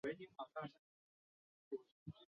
现于一间电视台做解说员。